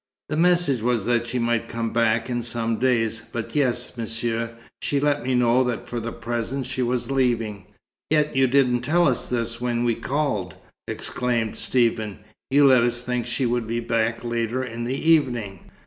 "The message was that she might come back in some days. But yes, Monsieur, she let me know that for the present she was leaving." "Yet you didn't tell us this when we called!" exclaimed Stephen. "You let us think she would be back later in the evening."